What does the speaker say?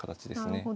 なるほど。